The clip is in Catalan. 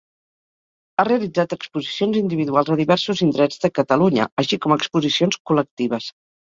Ha realitzat exposicions individuals a diversos indrets de Catalunya, així com exposicions col·lectives.